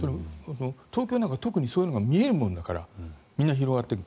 東京なんか特にそういうのが見えるもんだからみんな広がっている。